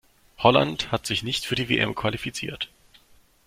Holland hat sich nicht für die WM qualifiziert.